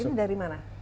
ini dari mana